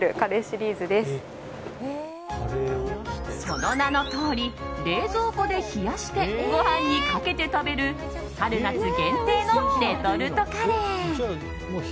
その名のとおり冷蔵庫で冷やしてご飯にかけて食べる春夏限定のレトルトカレー。